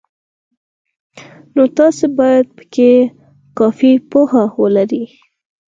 نو تاسې باید پکې کافي پوهه ولرئ.